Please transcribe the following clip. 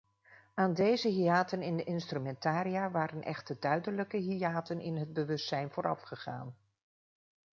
Aan deze hiaten in de instrumentaria waren echter duidelijke hiaten in het bewustzijn voorafgegaan.